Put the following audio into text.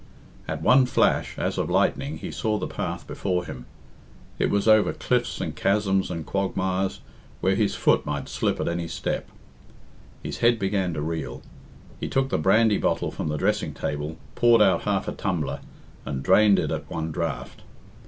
At one flash, as of lightning, he saw the path before him. It was over cliffs and chasms and quagmires, where his foot might slip at any step. His head began to reel. He took the brandy bottle from the dressing table, poured out half a tumbler, and drained it at one draught.